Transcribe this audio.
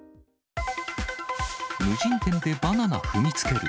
無人店でバナナ踏みつける。